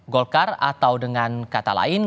golkar atau dengan kata lain